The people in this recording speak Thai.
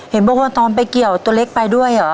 เห็นบอกว่าตอนไปเกี่ยวตัวเล็กไปด้วยเหรอ